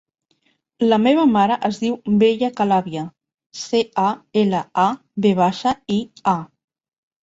La meva mare es diu Bella Calavia: ce, a, ela, a, ve baixa, i, a.